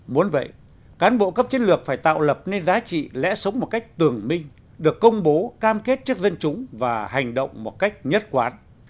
muốn vậy cán bộ cấp chiến lược phải tạo lập nên giá trị lẽ sống một cách tường minh được công bố cam kết trước dân chúng và hành động một cách nhất quán